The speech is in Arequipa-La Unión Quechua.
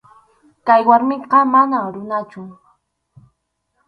Kay warmiqa manam runachu.